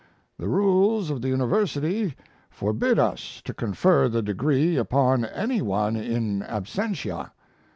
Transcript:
The rules of the University forbid us to confer the degree upon any one in absentia.